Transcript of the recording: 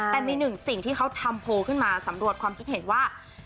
แต่มีหนึ่งสิ่งที่เขาทำโพลขึ้นมาสำรวจความคิดเห็นว่า